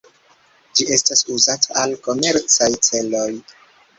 Ĝi estas uzata al komercaj celoj.